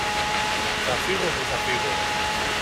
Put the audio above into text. Θα φύγω που θα φύγω!